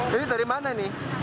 jadi dari mana ini